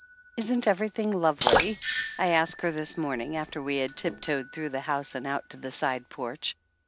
"Isn't everything lovely?" I asked her this 225 THE ANNALS OF ANN morning, after we had tiptoed through the house and out to the side porch.